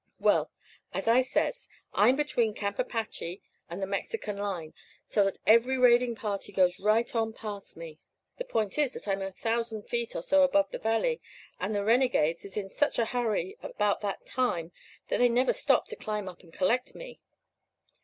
"Well, as I says, I'm between Camp Apache and the Mexican line, so that every raiding party goes right on past me. The point is that I'm a thousand feet or so above the valley, and the renegades is in such a hurry about that time that they never stop to climb up and collect me.